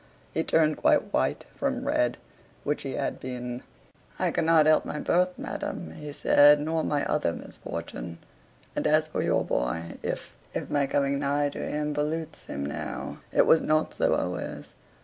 He turned quite white from red, which he had been. "I cannot help my birth, madam," he said, "nor my other misfortune. And as for your boy, if if my coming nigh to him pollutes him now, it was not so always.